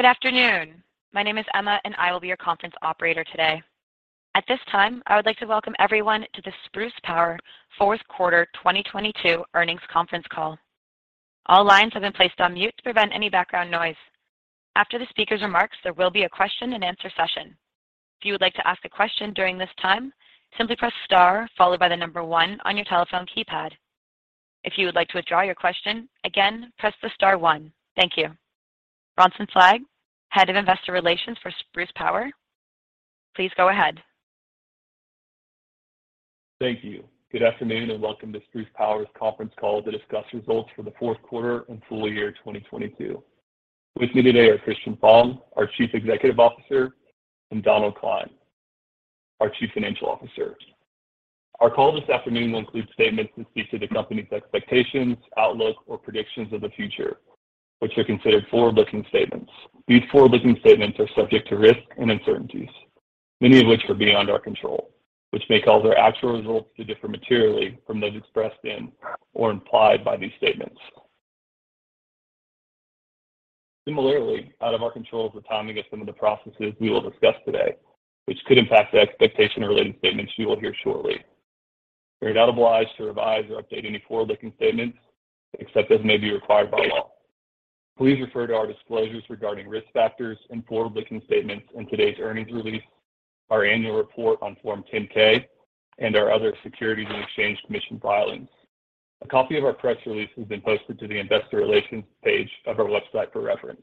Good afternoon. My name is Emma, and I will be your conference operator today. At this time, I would like to welcome everyone to the Spruce Power fourth quarter 2022 earnings conference call. All lines have been placed on mute to prevent any background noise. After the speaker's remarks, there will be a question-and-answer session. If you would like to ask a question during this time, simply press star followed by one on your telephone keypad. If you would like to withdraw your question, again, press the star one. Thank you. Bronson Fleig, Head of Investor Relations for Spruce Power, please go ahead. Thank you. Good afternoon, welcome to Spruce Power's conference call to discuss results for the fourth quarter and full year 2022. With me today are Christian Fong, our Chief Executive Officer, and Donald Klein, our Chief Financial Officer. Our call this afternoon will include statements that speak to the company's expectations, outlook, or predictions of the future, which are considered forward-looking statements. These forward-looking statements are subject to risks and uncertainties, many of which are beyond our control, which make all their actual results to differ materially from those expressed in or implied by these statements. Similarly, out of our control is the timing of some of the processes we will discuss today, which could impact the expectation or related statements you will hear shortly. We are not obliged to revise or update any forward-looking statements except as may be required by law. Please refer to our disclosures regarding risk factors and forward-looking statements in today's earnings release, our annual report on Form 10-K, and our other Securities and Exchange Commission filings. A copy of our press release has been posted to the investor relations page of our website for reference.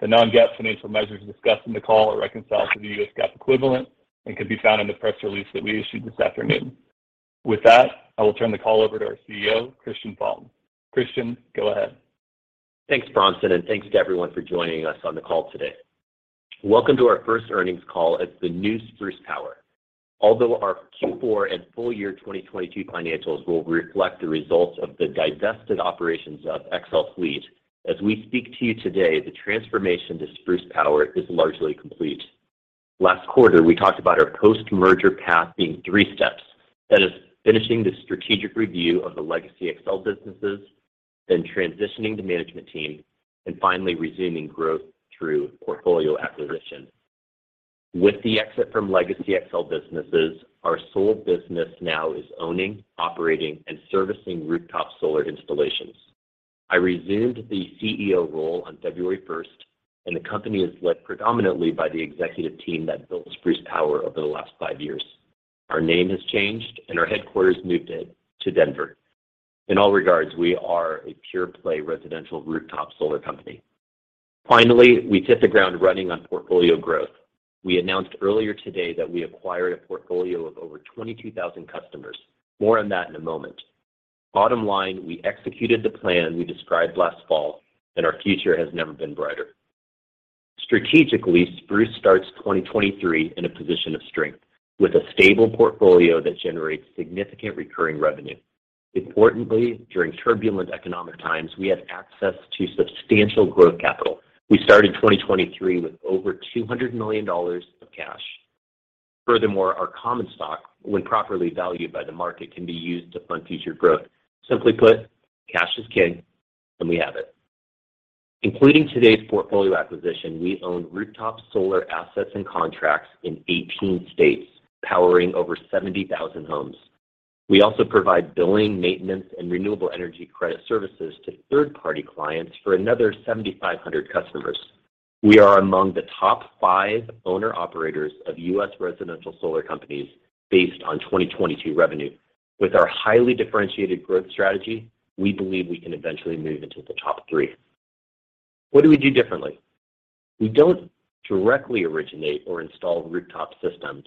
The non-GAAP financial measures discussed in the call are reconciled to the U.S. GAAP equivalent and can be found in the press release that we issued this afternoon. With that, I will turn the call over to our CEO, Christian Fong. Christian, go ahead. Thanks, Bronson, thanks to everyone for joining us on the call today. Welcome to our first earnings call as the new Spruce Power. Although our Q4 and full year 2022 financials will reflect the results of the divested operations of XL Fleet, as we speak to you today, the transformation to Spruce Power is largely complete. Last quarter, we talked about our post-merger path being three steps. That is finishing the strategic review of the legacy XL businesses, transitioning the management team, finally resuming growth through portfolio acquisition. With the exit from legacy XL businesses, our sole business now is owning, operating, and servicing rooftop solar installations. I resumed the CEO role on February 1st, the company is led predominantly by the executive team that built Spruce Power over the last five years. Our name has changed, our headquarters moved it to Denver. In all regards, we are a pure-play residential rooftop solar company. We hit the ground running on portfolio growth. We announced earlier today that we acquired a portfolio of over 22,000 customers. More on that in a moment. Bottom line, we executed the plan we described last fall, and our future has never been brighter. Strategically, Spruce starts 2023 in a position of strength with a stable portfolio that generates significant recurring revenue. Importantly, during turbulent economic times, we have access to substantial growth capital. We started 2023 with over $200 million of cash. Our common stock, when properly valued by the market, can be used to fund future growth. Simply put, cash is king, and we have it. Including today's portfolio acquisition, we own rooftop solar assets and contracts in 18 states, powering over 70,000 homes. We also provide billing, maintenance, and renewable energy credit services to third-party clients for another 7,500 customers. We are among the top five owner-operators of U.S. residential solar companies based on 2022 revenue. With our highly differentiated growth strategy, we believe we can eventually move into the top three. What do we do differently? We don't directly originate or install rooftop systems.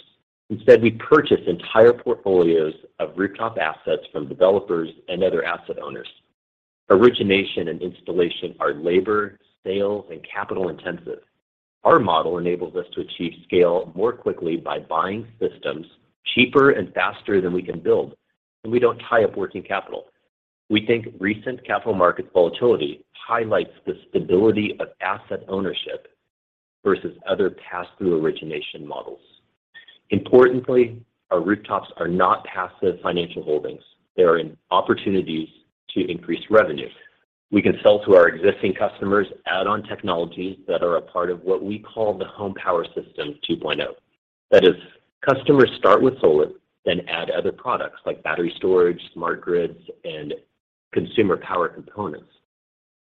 Instead, we purchase entire portfolios of rooftop assets from developers and other asset owners. Origination and installation are labor, sales, and capital intensive. Our model enables us to achieve scale more quickly by buying systems cheaper and faster than we can build, and we don't tie up working capital. We think recent capital market volatility highlights the stability of asset ownership versus other pass-through origination models. Importantly, our rooftops are not passive financial holdings. They are in opportunities to increase revenue. We can sell to our existing customers add-on technologies that are a part of what we call the Home Power Systems 2.0. That is, customers start with solar, then add other products like battery storage, smart grids, and consumer power components.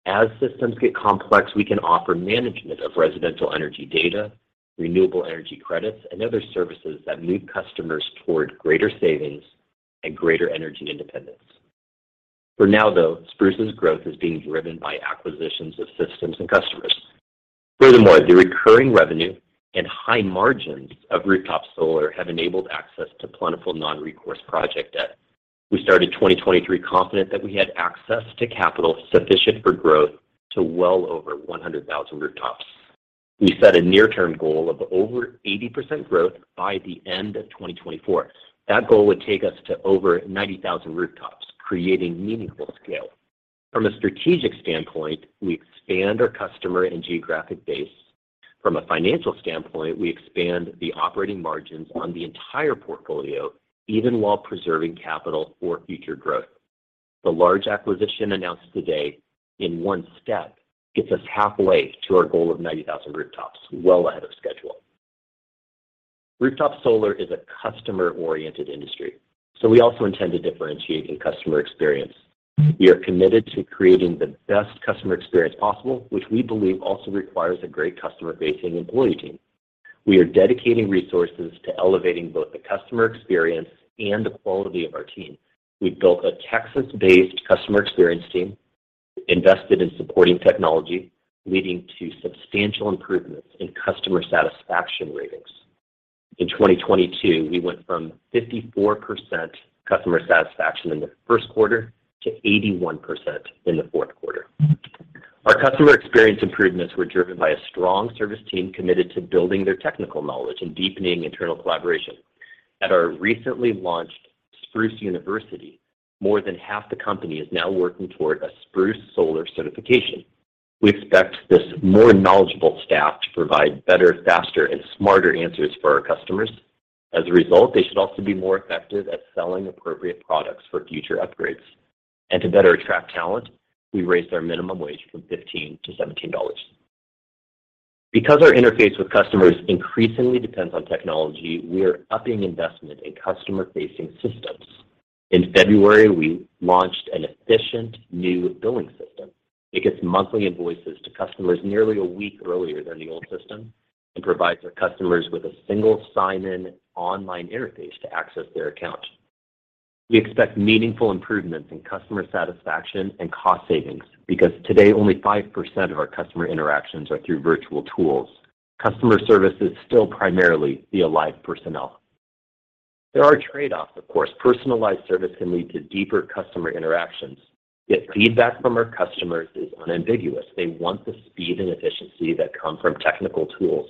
As systems get complex, we can offer management of residential energy data, renewable energy credits, and other services that move customers toward greater savings and greater energy independence. For now, though, Spruce's growth is being driven by acquisitions of systems and customers. The recurring revenue and high margins of rooftop solar have enabled access to plentiful non-recourse project debt. We started 2023 confident that we had access to capital sufficient for growth to well over 100,000 rooftops. We set a near-term goal of over 80% growth by the end of 2024. That goal would take us to over 90,000 rooftops, creating meaningful scale. From a strategic standpoint, we expand our customer and geographic base. From a financial standpoint, we expand the operating margins on the entire portfolio, even while preserving capital for future growth. The large acquisition announced today in one step gets us halfway to our goal of 90,000 rooftops, well ahead of schedule. Rooftop solar is a customer-oriented industry, we also intend to differentiate in customer experience. We are committed to creating the best customer experience possible, which we believe also requires a great customer-facing employee team. We are dedicating resources to elevating both the customer experience and the quality of our team. We've built a Texas-based customer experience team, invested in supporting technology, leading to substantial improvements in customer satisfaction ratings. In 2022, we went from 54% customer satisfaction in the first quarter to 81% in the fourth quarter. Our customer experience improvements were driven by a strong service team committed to building their technical knowledge and deepening internal collaboration. At our recently launched Spruce University, more than half the company is now working toward a Spruce Solar certification. We expect this more knowledgeable staff to provide better, faster, and smarter answers for our customers. To better attract talent, we raised our minimum wage from $15 to $17. Because our interface with customers increasingly depends on technology, we are upping investment in customer-facing systems. In February, we launched an efficient new billing system. It gets monthly invoices to customers nearly a week earlier than the old system and provides our customers with a single sign-in online interface to access their account. We expect meaningful improvements in customer satisfaction and cost savings because today only 5% of our customer interactions are through virtual tools. Customer service is still primarily via live personnel. There are trade-offs, of course. Personalized service can lead to deeper customer interactions, yet feedback from our customers is unambiguous. They want the speed and efficiency that come from technical tools.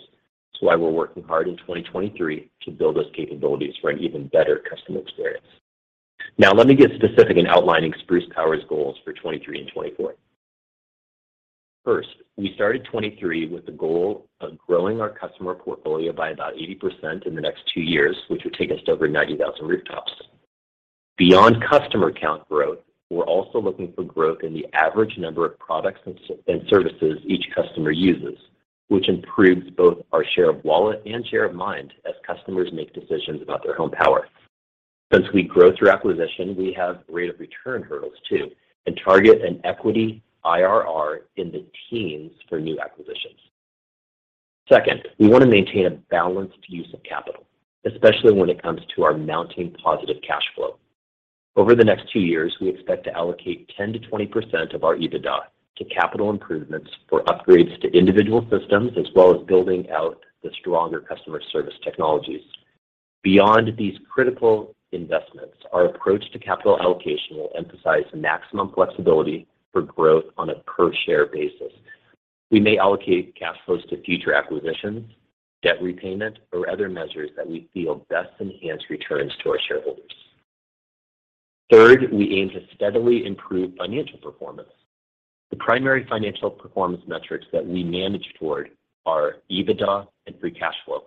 That's why we're working hard in 2023 to build those capabilities for an even better customer experience. Now let me get specific in outlining Spruce Power's goals for 2023 and 2024. We started 2023 with the goal of growing our customer portfolio by about 80% in the next two years, which would take us to over 90,000 rooftops. Beyond customer count growth, we're also looking for growth in the average number of products and services each customer uses, which improves both our share of wallet and share of mind as customers make decisions about their home power. Since we grow through acquisition, we have rate of return hurdles too, and target an equity IRR in the teens for new acquisitions. We want to maintain a balanced use of capital, especially when it comes to our mounting positive cash flow. Over the next two years, we expect to allocate 10%-20% of our EBITDA to capital improvements for upgrades to individual systems, as well as building out the stronger customer service technologies. Beyond these critical investments, our approach to capital allocation will emphasize maximum flexibility for growth on a per-share basis. We may allocate cash flows to future acquisitions, debt repayment, or other measures that we feel best enhance returns to our shareholders. Third, we aim to steadily improve financial performance. The primary financial performance metrics that we manage toward are EBITDA and free cash flow.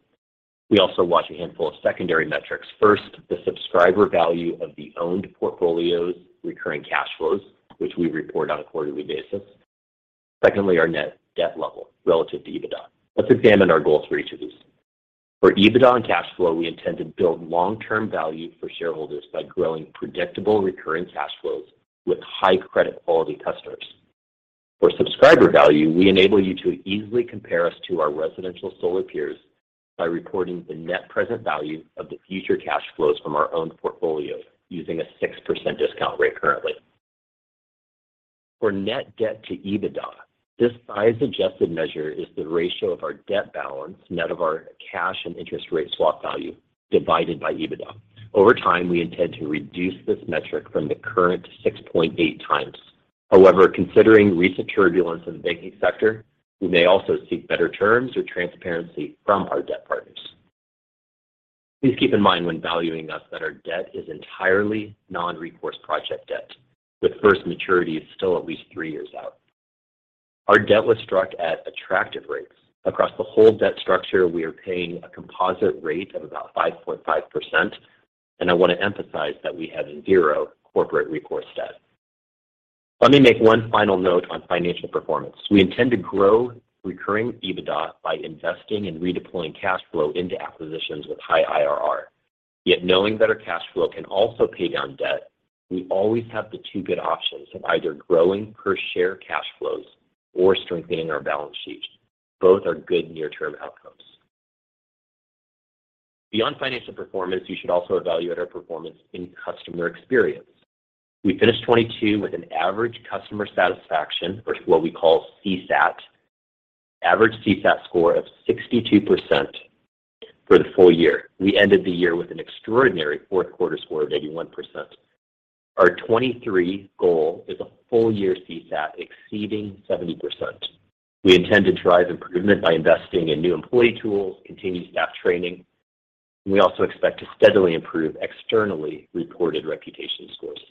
We also watch a handful of secondary metrics. First, the subscriber value of the owned portfolio's recurring cash flows, which we report on a quarterly basis. Secondly, our net debt level relative to EBITDA. Let's examine our goals for each of these. For EBITDA and cash flow, we intend to build long-term value for shareholders by growing predictable recurring cash flows with high credit quality customers. For subscriber value, we enable you to easily compare us to our residential solar peers by reporting the net present value of the future cash flows from our owned portfolios using a 6% discount rate currently. For net debt to EBITDA, this size-adjusted measure is the ratio of our debt balance, net of our cash and interest rate swap value, divided by EBITDA. Over time, we intend to reduce this metric from the current 6.8x. Considering recent turbulence in the banking sector, we may also seek better terms or transparency from our debt partners. Please keep in mind when valuing us that our debt is entirely non-recourse project debt, with first maturity is still at least three years out. Our debt was struck at attractive rates. Across the whole debt structure, we are paying a composite rate of about 5.5%, and I want to emphasize that we have zero corporate recourse debt. Let me make one final note on financial performance. We intend to grow recurring EBITDA by investing and redeploying cash flow into acquisitions with high IRR. Knowing that our cash flow can also pay down debt, we always have the two good options of either growing per share cash flows or strengthening our balance sheet. Both are good near-term outcomes. Beyond financial performance, you should also evaluate our performance in customer experience. We finished 22 with an average customer satisfaction, or what we call CSAT, score of 62% for the full year. We ended the year with an extraordinary fourth quarter score of 81%. Our 23 goal is a full-year CSAT exceeding 70%. We intend to drive improvement by investing in new employee tools, continued staff training. We also expect to steadily improve externally reported reputation scores.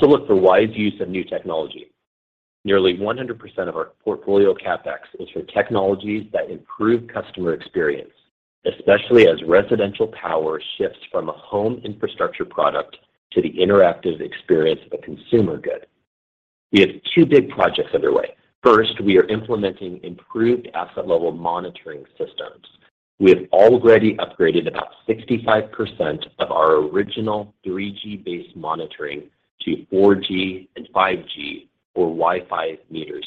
Look for wise use of new technology. Nearly 100% of our portfolio CapEx is for technologies that improve customer experience, especially as residential power shifts from a home infrastructure product to the interactive experience of a consumer good. We have two big projects underway. First, we are implementing improved asset level monitoring systems. We have already upgraded about 65% of our original 3G based monitoring to 4G and 5G or Wi-Fi meters.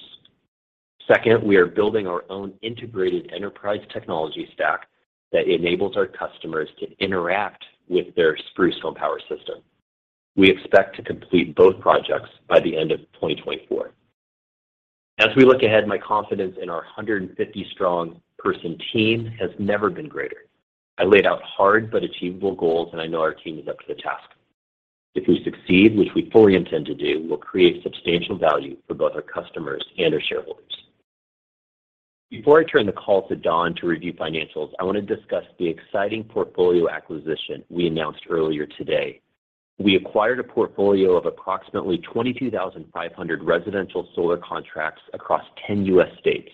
Second, we are building our own integrated enterprise technology stack that enables our customers to interact with their Spruce Home Power System. We expect to complete both projects by the end of 2024. As we look ahead, my confidence in our 150 strong person team has never been greater. I laid out hard but achievable goals, and I know our team is up to the task. If we succeed, which we fully intend to do, we'll create substantial value for both our customers and our shareholders. Before I turn the call to Don to review financials, I want to discuss the exciting portfolio acquisition we announced earlier today. We acquired a portfolio of approximately 22,500 residential solar contracts across 10 U.S. states.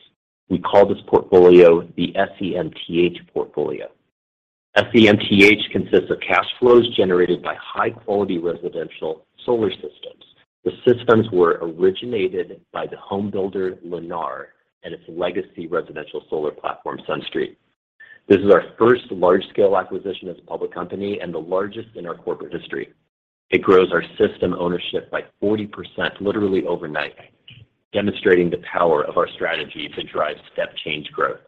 We call this portfolio the SEMTH portfolio. SEMTH consists of cash flows generated by high quality residential solar systems. The systems were originated by the home builder, Lennar, and its legacy residential solar platform, SunStreet. This is our first large scale acquisition as a public company and the largest in our corporate history. It grows our system ownership by 40% literally overnight, demonstrating the power of our strategy to drive step change growth.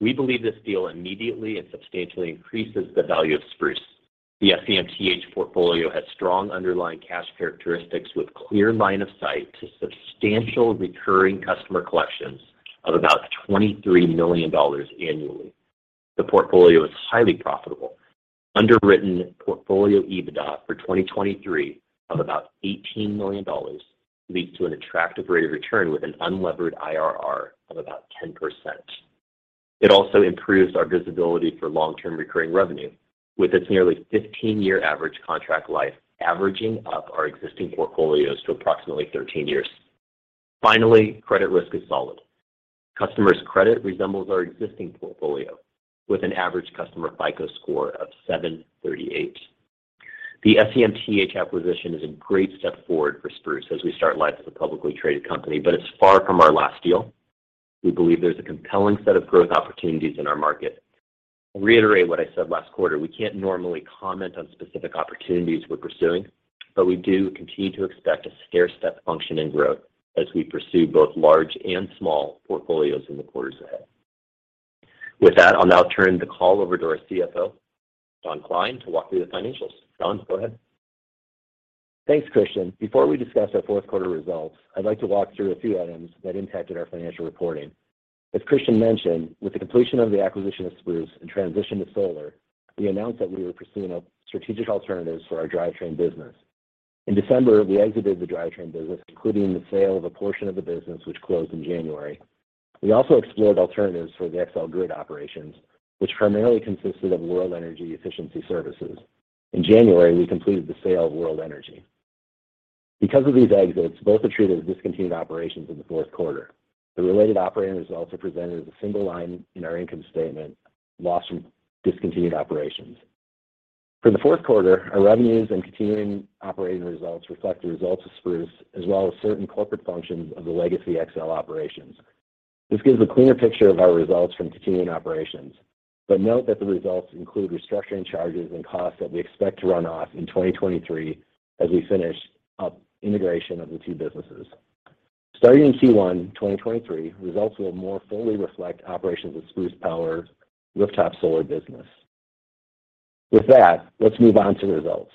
We believe this deal immediately and substantially increases the value of Spruce. The SEMTH portfolio has strong underlying cash characteristics with clear line of sight to substantial recurring customer collections of about $23 million annually. The portfolio is highly profitable. Underwritten portfolio EBITDA for 2023 of about $18 million leads to an attractive rate of return with an unlevered IRR of about 10%. It also improves our visibility for long term recurring revenue, with its nearly 15-year average contract life averaging up our existing portfolios to approximately 13 years. Finally, credit risk is solid. Customers credit resembles our existing portfolio with an average customer FICO score of 738. The SEMTH acquisition is a great step forward for Spruce as we start life as a publicly traded company, but it's far from our last deal. We believe there's a compelling set of growth opportunities in our market. I'll reiterate what I said last quarter. We can't normally comment on specific opportunities we're pursuing, but we do continue to expect a stair step function in growth as we pursue both large and small portfolios in the quarters ahead. With that, I'll now turn the call over to our CFO, Don Klein, to walk through the financials. Don, go ahead. Thanks, Christian. Before we discuss our fourth quarter results, I'd like to walk through a few items that impacted our financial reporting. As Christian mentioned, with the completion of the acquisition of Spruce and transition to solar, we announced that we were pursuing strategic alternatives for our Drivetrain business. In December, we exited the Drivetrain business, including the sale of a portion of the business which closed in January. We also explored alternatives for the XL Grid operations, which primarily consisted of World Energy efficiency services. In January, we completed the sale of World Energy. Because of these exits, both are treated as discontinued operations in the fourth quarter. The related operating results are presented as a single line in our income statement, loss from discontinued operations. For the fourth quarter, our revenues and continuing operating results reflect the results of Spruce, as well as certain corporate functions of the legacy XL operations. This gives a cleaner picture of our results from continuing operations. Note that the results include restructuring charges and costs that we expect to run off in 2023 as we finish up integration of the two businesses. Starting in Q1 2023, results will more fully reflect operations of Spruce Power's rooftop solar business. With that, let's move on to the results.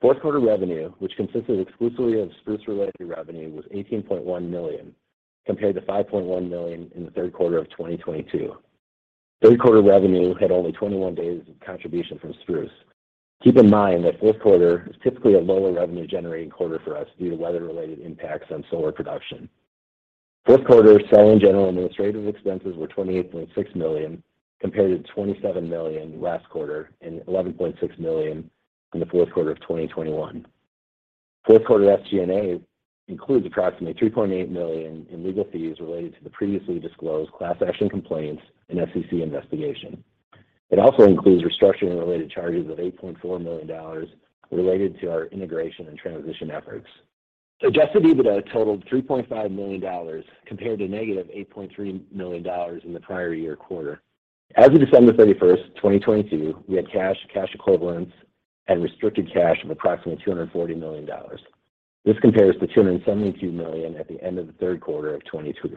Fourth quarter revenue, which consisted exclusively of Spruce-related revenue, was $18.1 million, compared to $5.1 million in the third quarter of 2022. Third quarter revenue had only 21 days of contribution from Spruce. Keep in mind that fourth quarter is typically a lower revenue generating quarter for us due to weather-related impacts on solar production. Fourth quarter sell and general and administrative expenses were $28.6 million, compared to $27 million last quarter and $11.6 million in the fourth quarter of 2021. Fourth quarter SG&A includes approximately $3.8 million in legal fees related to the previously disclosed class action complaints and SEC investigation. It also includes restructuring related charges of $8.4 million related to our integration and transition efforts. Adjusted EBITDA totaled $3.5 million compared to negative $8.3 million in the prior year quarter. As of December 31st, 2022, we had cash equivalents, and restricted cash of approximately $240 million. This compares to $272 million at the end of the third quarter of 2020.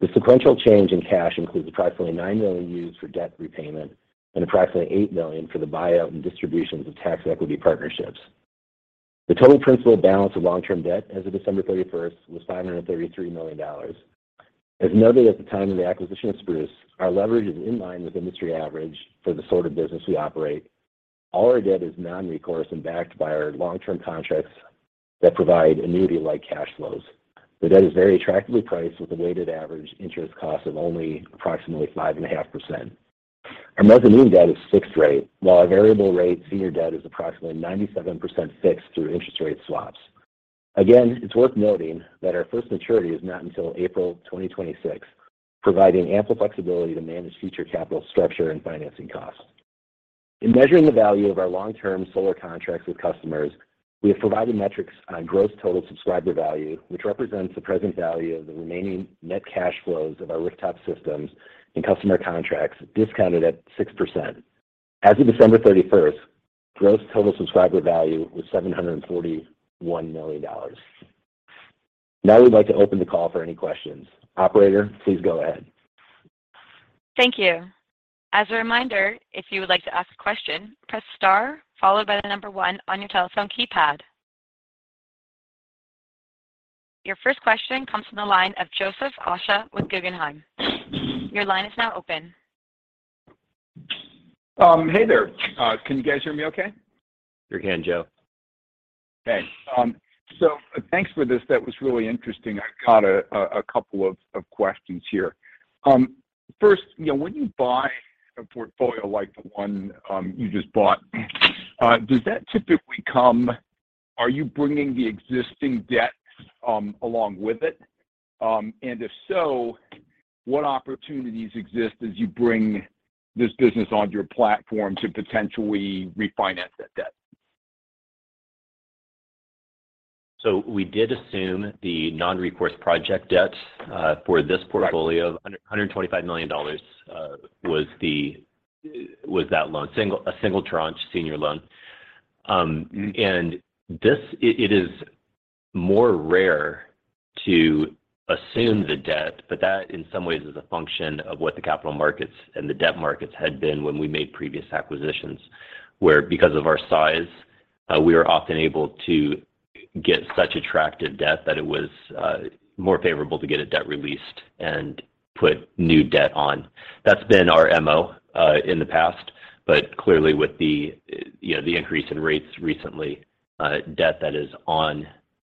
The sequential change in cash includes approximately $9 million used for debt repayment and approximately $8 million for the buyout and distributions of tax equity partnerships. The total principal balance of long-term debt as of December 31st was $533 million. As noted at the time of the acquisition of Spruce Power, our leverage is in line with industry average for the sort of business we operate. All our debt is non-recourse and backed by our long-term contracts that provide annuity-like cash flows. The debt is very attractively priced with a weighted average interest cost of only approximately 5.5%. Our mezzanine debt is fixed rate, while our variable rate senior debt is approximately 97% fixed through interest rate swaps. Again, it's worth noting that our first maturity is not until April 2026, providing ample flexibility to manage future capital structure and financing costs. In measuring the value of our long-term solar contracts with customers, we have provided metrics on Gross Total Subscriber Value, which represents the present value of the remaining net cash flows of our rooftop systems and customer contracts discounted at 6%. As of December 31st, Gross Total Subscriber Value was $741 million. Now we'd like to open the call for any questions. Operator, please go ahead. Thank you. As a reminder, if you would like to ask a question, press star followed by the one on your telephone keypad. Your first question comes from the line of Joseph Osha with Guggenheim. Your line is now open. hey there. can you guys hear me okay? We can, Joe. Thanks for this. That was really interesting. I've got a couple of questions here. First, you know, when you buy a portfolio like the one you just bought, Are you bringing the existing debts along with it? If so, what opportunities exist as you bring this business onto your platform to potentially refinance that debt? We did assume the non-recourse project debt, for this portfolio. Right. $125 million was that loan. A single tranche senior loan. It is more rare to assume the debt, that in some ways is a function of what the capital markets and the debt markets had been when we made previous acquisitions. Where because of our size, we were often able to get such attractive debt that it was more favorable to get a debt released and put new debt on. That's been our MO in the past, clearly with the, you know, the increase in rates recently, debt that is on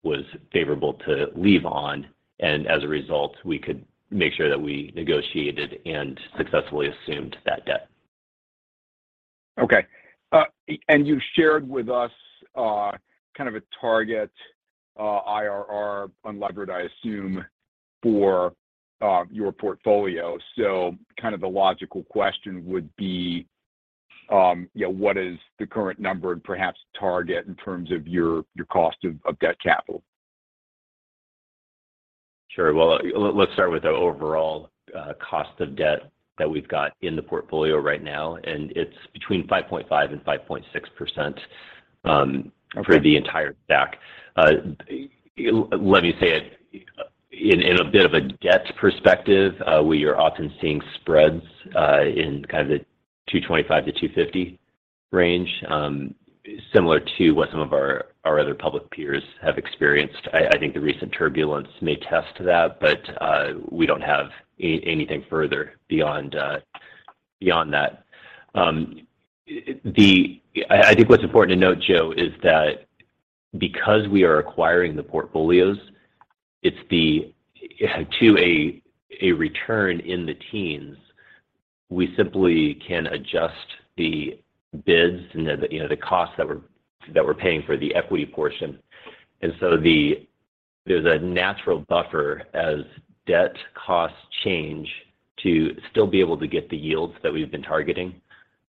was favorable to leave on, as a result, we could make sure that we negotiated and successfully assumed that debt. Okay. And you shared with us kind of a target IRR, unlevered I assume, for your portfolio. Kind of the logical question would be, you know, what is the current number and perhaps target in terms of your cost of debt capital? Sure. Well, let's start with the overall cost of debt that we've got in the portfolio right now. It's between 5.5% and 5.6%. Okay... for the entire stack. Let me say it in a bit of a debt perspective, we are often seeing spreads in kind of the 225-250 range, similar to what some of our other public peers have experienced. I think the recent turbulence may test that, but we don't have anything further beyond that. I think what's important to note, Joe, is that because we are acquiring the portfolios, it's to a return in the teens, we simply can adjust the bids and the, you know, the costs that we're paying for the equity portion. There's a natural buffer as debt costs change to still be able to get the yields that we've been targeting,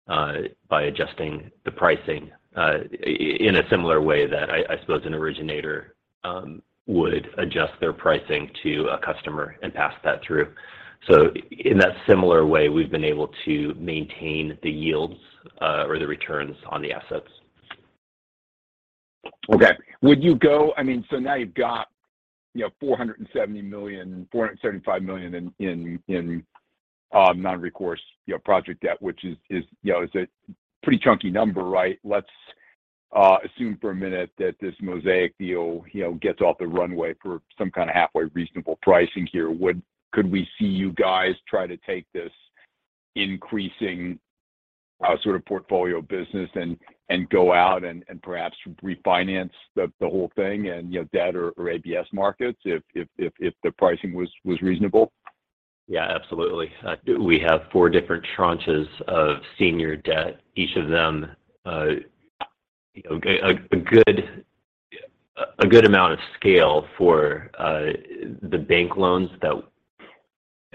by adjusting the pricing, in a similar way that I suppose an originator, would adjust their pricing to a customer and pass that through. In that similar way, we've been able to maintain the yields, or the returns on the assets. Okay. I mean, now you've got, you know, $470 million, $475 million in non-recourse, you know, project debt, which is, you know, a pretty chunky number, right? Let's assume for a minute that this Mosaic deal, you know, gets off the runway for some kind of halfway reasonable pricing here. Could we see you guys try to take this increasing sort of portfolio business and go out and perhaps refinance the whole thing in, you know, debt or ABS markets if the pricing was reasonable? Yeah, absolutely. We have four different tranches of senior debt, each of them a good amount of scale for the bank loans that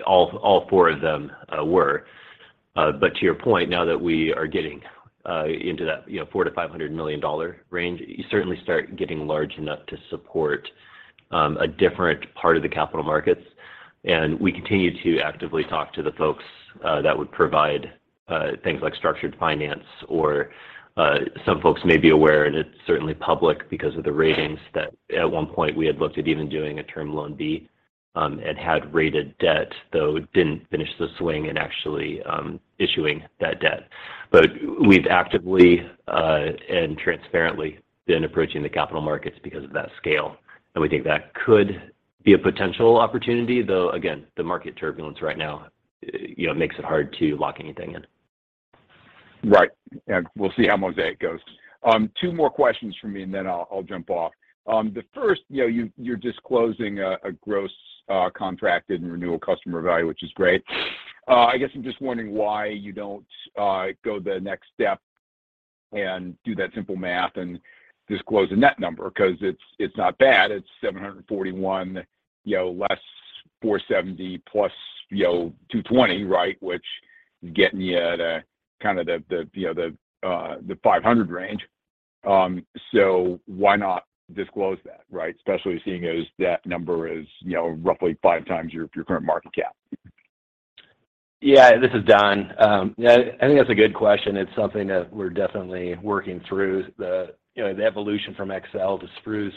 all four of them were. To your point, now that we are getting into that, you know, $400 million-$500 million range, you certainly start getting large enough to support a different part of the capital markets. We continue to actively talk to the folks that would provide things like structured finance or some folks may be aware, and it's certainly public because of the ratings that at one point we had looked at even doing a Term Loan B and had rated debt, though didn't finish the swing in actually issuing that debt. We've actively and transparently been approaching the capital markets because of that scale, and we think that could be a potential opportunity. Again, the market turbulence right now, you know, makes it hard to lock anything in. Right. We'll see how Mosaic goes. Two more questions from me, then I'll jump off. The first, you know, you're disclosing a gross contracted and renewal customer value, which is great. I guess I'm just wondering why you don't go the next step and do that simple math and disclose a net number 'cause it's not bad, it's $741, you know, less $470+, you know, $220, right? Which getting you at a kind of the, you know, the $500 range. Why not disclose that, right? Especially seeing as that number is, you know, roughly five times your current market cap. This is Don. I think that's a good question. It's something that we're definitely working through the, you know, the evolution from XL to Spruce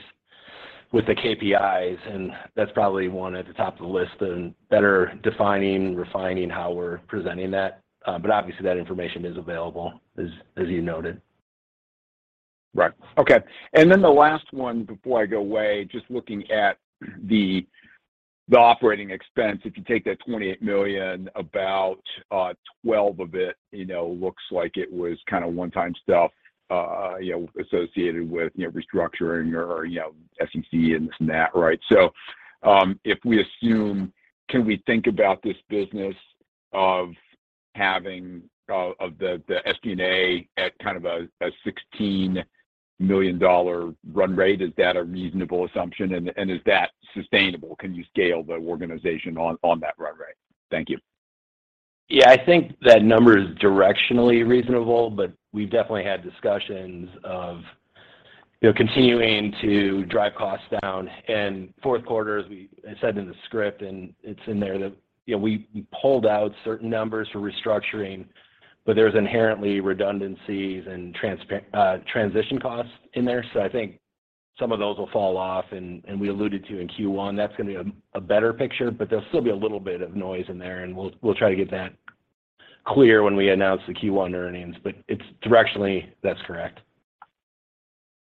with the KPIs, and that's probably one at the top of the list and better defining, refining how we're presenting that. Obviously, that information is available as you noted. Right. Okay. The last one before I go away, just looking at the operating expense. If you take that $28 million, about 12 of it, you know, looks like it was kind of one-time stuff, you know, associated with, you know, restructuring or, you know, SEC and this and that, right? If we assume, can we think about this business of having the SG&A at kind of a $16 million run rate, is that a reasonable assumption? Is that sustainable? Can you scale the organization on that run rate? Thank you. Yeah. I think that number is directionally reasonable. We've definitely had discussions of, you know, continuing to drive costs down. Fourth quarter, I said in the script, and it's in there that, you know, we pulled out certain numbers for restructuring. There's inherently redundancies and transition costs in there. I think some of those will fall off, and we alluded to in Q1, that's gonna be a better picture. There'll still be a little bit of noise in there, and we'll try to get that clear when we announce the Q1 earnings. It's directionally, that's correct.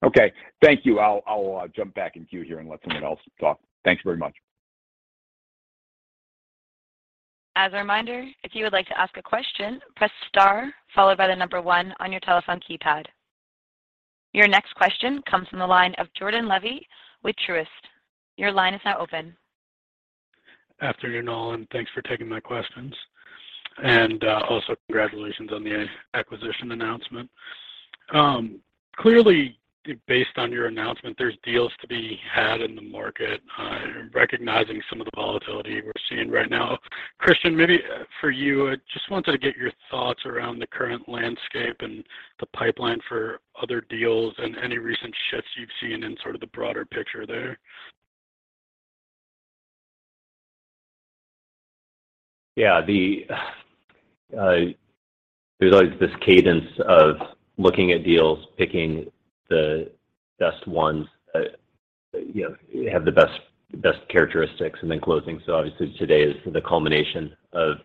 Okay. Thank you. I'll jump back in queue here and let someone else talk. Thanks very much. As a reminder, if you would like to ask a question, press star followed by the number one on your telephone keypad. Your next question comes from the line of Jordan Levy with Truist. Your line is now open. Afternoon, all, and thanks for taking my questions. Also congratulations on the acquisition announcement. Clearly, based on your announcement, there's deals to be had in the market, recognizing some of the volatility we're seeing right now. Christian, maybe for you, I just wanted to get your thoughts around the current landscape and the pipeline for other deals and any recent shifts you've seen in sort of the broader picture there. Yeah. There's always this cadence of looking at deals, picking the best ones, you know, have the best characteristics, and then closing. Obviously, today is the culmination of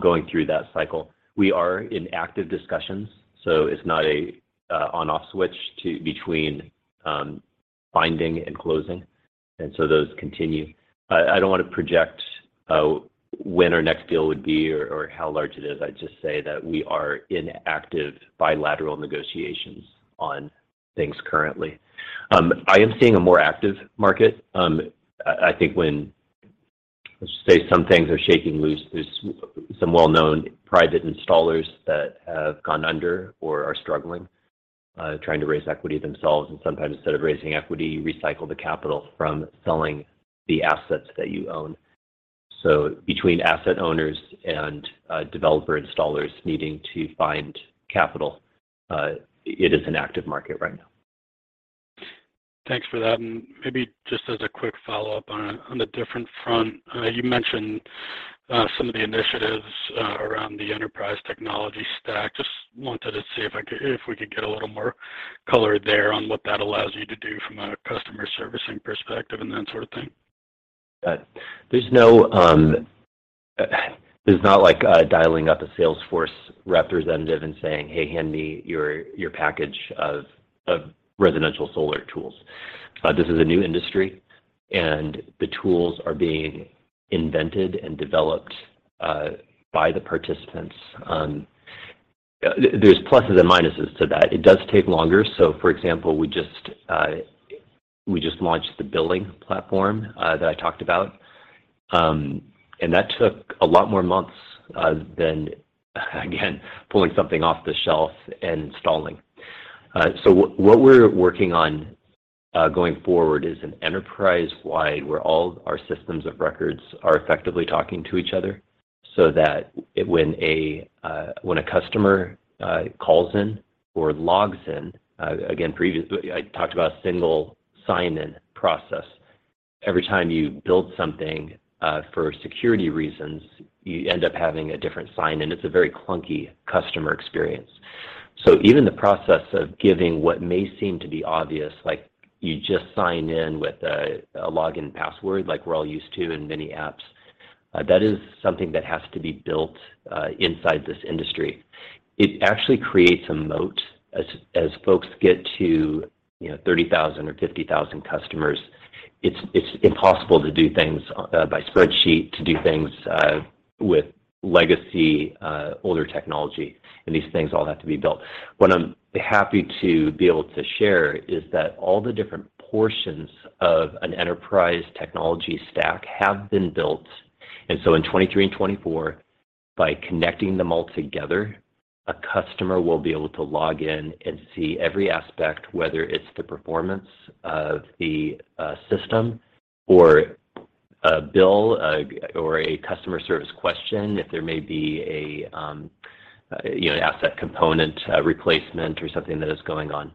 going through that cycle. We are in active discussions, it's not a on/off switch to between finding and closing. Those continue. I don't wanna project when our next deal would be or how large it is. I'd just say that we are in active bilateral negotiations on things currently. I am seeing a more active market. I think when, let's just say some things are shaking loose, there's some well-known private installers that have gone under or are struggling, trying to raise equity themselves. Sometimes instead of raising equity, you recycle the capital from selling the assets that you own. Between asset owners and developer installers needing to find capital, it is an active market right now. Thanks for that. Maybe just as a quick follow-up on a different front. You mentioned some of the initiatives around the enterprise technology stack. Just wanted to see if we could get a little more color there on what that allows you to do from a customer servicing perspective and that sort of thing. There's no. There's not like dialing up a Salesforce representative and saying, "Hey, hand me your package of residential solar tools." This is a new industry. The tools are being invented and developed by the participants. There's pluses and minuses to that. It does take longer. For example, we just launched the billing platform that I talked about. That took a lot more months than, again, pulling something off the shelf and installing. What we're working on going forward is an enterprise-wide where all our systems of records are effectively talking to each other so that when a customer calls in or logs in, again, I talked about single sign-in process. Every time you build something for security reasons, you end up having a different sign-in. It's a very clunky customer experience. Even the process of giving what may seem to be obvious, like you just sign in with a login password like we're all used to in many apps, that is something that has to be built inside this industry. It actually creates a moat as folks get to, you know, 30,000 or 50,000 customers. It's impossible to do things by spreadsheet, to do things with legacy, older technology, and these things all have to be built. What I'm happy to be able to share is that all the different portions of an enterprise technology stack have been built. and 2024, by connecting them all together, a customer will be able to log in and see every aspect, whether it's the performance of the system or a bill or a customer service question, if there may be a, you know, asset component replacement or something that is going on.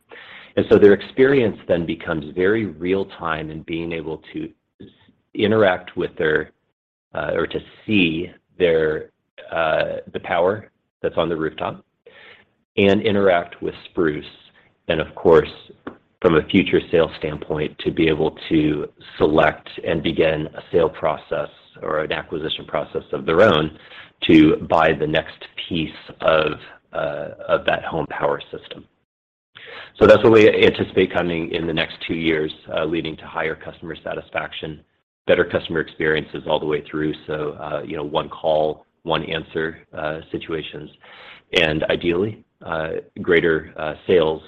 Their experience then becomes very real time in being able to interact with their or to see their the power that's on the rooftop and interact with Spruce. Of course, from a future sales standpoint, to be able to select and begin a sale process or an acquisition process of their own to buy the next piece of that home power system. That's what we anticipate coming in the next two years, leading to higher customer satisfaction, better customer experiences all the way through, so, you know, 1 call, 1 answer, situations. Ideally, greater sales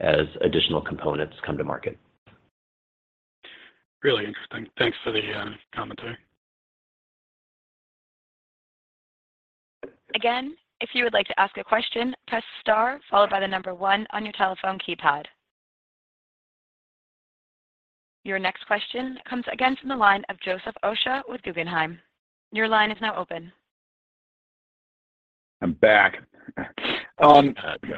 as additional components come to market. Really interesting. Thanks for the commentary. If you would like to ask a question, press star followed by one on your telephone keypad. Your next question comes again from the line of Joseph Osha with Guggenheim. Your line is now open. I'm back. Hi. Yeah.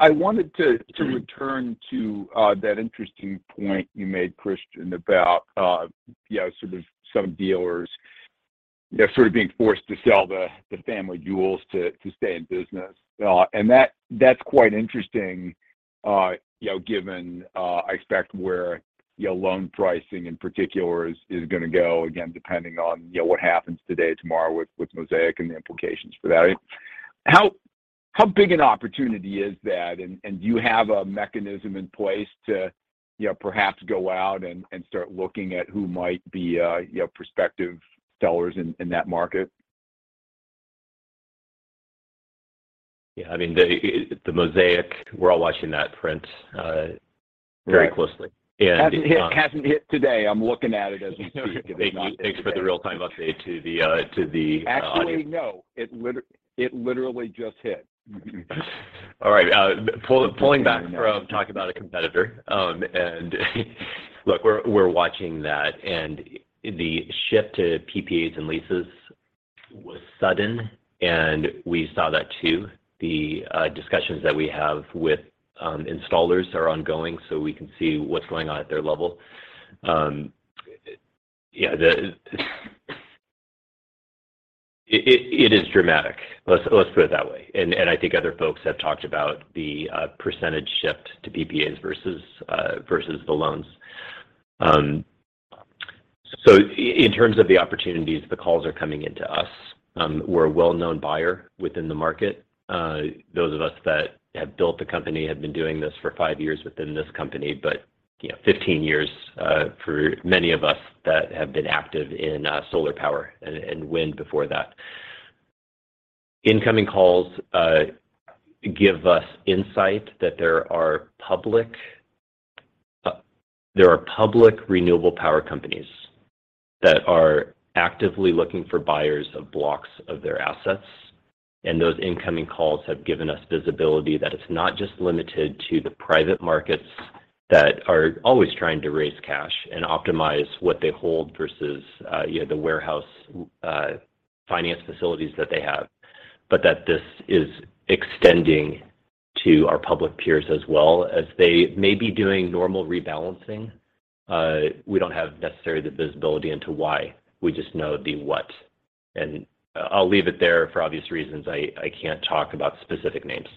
I wanted to return to that interesting point you made, Christian, about, you know, sort of some dealers, you know, sort of being forced to sell the family jewels to stay in business. That's quite interesting, you know, given, I expect where, you know, loan pricing in particular is gonna go, again, depending on, you know, what happens today, tomorrow with Mosaic and the implications for that. How big an opportunity is that? Do you have a mechanism in place to, you know, perhaps go out and start looking at who might be, you know, prospective sellers in that market? Yeah. I mean, the Mosaic, we're all watching that print very closely. Hasn't hit today. I'm looking at it as we speak. Thanks for the real-time update to the audience. Actually, no. It literally just hit. All right. pulling back from talking about a competitor, look, we're watching that, and the shift to PPAs and leases was sudden, and we saw that too. The discussions that we have with installers are ongoing, so we can see what's going on at their level. Yeah, it is dramatic. Let's put it that way. I think other folks have talked about the % shift to PPAs versus the loans. So in terms of the opportunities, the calls are coming into us. We're a well-known buyer within the market. Those of us that have built the company have been doing this for five years within this company. You know, 15 years, for many of us that have been active in solar power and wind before that. Incoming calls give us insight that there are public renewable power companies that are actively looking for buyers of blocks of their assets, and those incoming calls have given us visibility that it's not just limited to the private markets that are always trying to raise cash and optimize what they hold versus, you know, the warehouse finance facilities that they have. That this is extending to our public peers as well. As they may be doing normal rebalancing, we don't have necessarily the visibility into why, we just know the what. I'll leave it there for obvious reasons. I can't talk about specific names.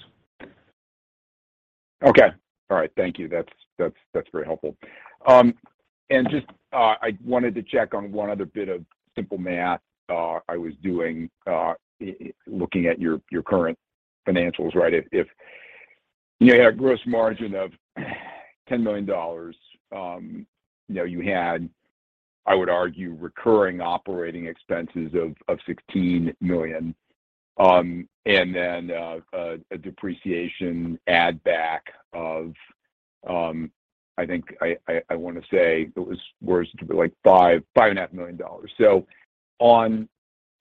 Okay. All right. Thank you. That's very helpful. Just, I wanted to check on one other bit of simple math, I was doing, looking at your current financials, right? If, you know, you had a gross margin of $10 million, you know, you had, I would argue, recurring operating expenses of $16 million, and then a depreciation add back of, I think I wanna say it was like $5 and a half million dollars. On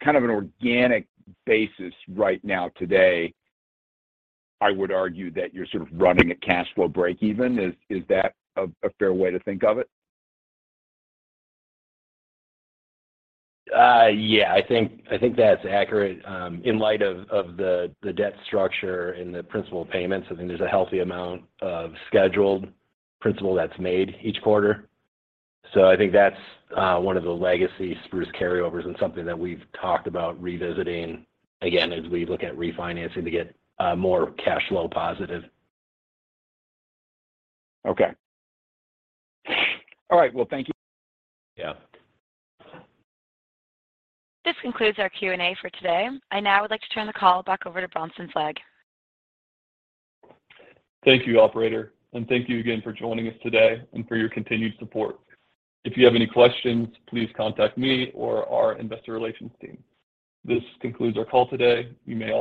kind of an organic basis right now today, I would argue that you're sort of running a cash flow break even. Is that a fair way to think of it? Yeah. I think that's accurate, in light of the debt structure and the principal payments. I think there's a healthy amount of scheduled principal that's made each quarter. I think that's, one of the legacy Spruce carryovers and something that we've talked about revisiting again as we look at refinancing to get, more cash flow positive. Okay. All right. Well, thank you. Yeah. This concludes our Q&A for today. I now would like to turn the call back over to Bronson Fleig. Thank you, operator. Thank you again for joining us today and for your continued support. If you have any questions, please contact me or our investor relations team. This concludes our call today. You may